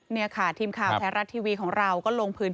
นี่ค่ะทีมข่าวแท้รัฐทีวีของเราก็ลงพื้นที่